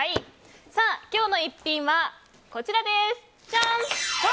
今日の逸品はこちらです。